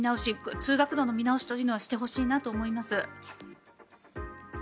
通学路の見直しというのはしてほしいなと思います。